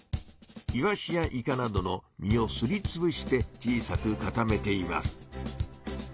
イワシやイカなどの身をすりつぶして小さく固めています。